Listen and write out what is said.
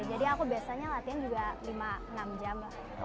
jadi aku biasanya latihan juga lima enam jam lah